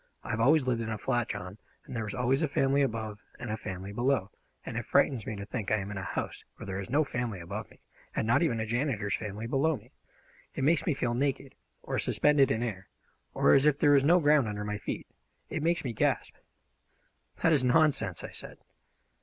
"I always lived in a flat, John, and there was always a family above and a family below, and it frightens me to think I am in a house where there is no family above me, and not even a janitor's family below me. It makes me feel naked, or suspended in air, or as if there was no ground under my feet. It makes me gasp!" "That is nonsense!" I said.